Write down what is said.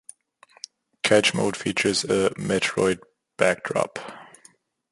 Catch mode features a "Metroid" backdrop.